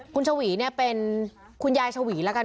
คุณชวีเนี่ยเป็นคุณยายชวีแล้วกัน